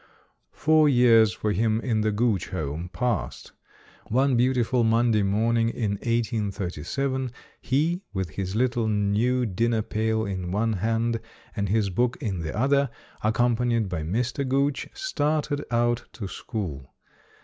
Four years for him in the Gooch home passed. One beautiful Monday morning, in 1837, he, with his little new dinner pail in one hand, and his book in the other, accompanied by Mr. Gooch, started out to school.